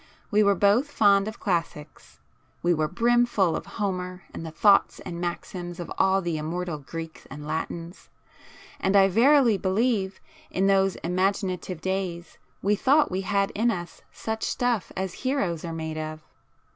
We were both fond of classics,—we were brimful of Homer and the thoughts and maxims of all the immortal Greeks and Latins,—and I verily believe, in those imaginative days, we thought we had in us such stuff as heroes are made of.